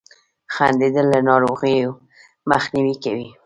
• خندېدل له ناروغیو مخنیوی کوي.